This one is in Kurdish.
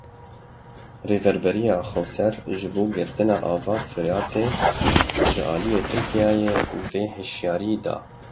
Rêveberiya Xweser ji bo girtina ava Firatê ji aliyê Tirkiyeyê ve hişyarî da.